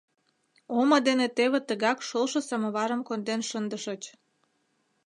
— Омо дене теве тыгак шолшо самоварым конден шындышыч.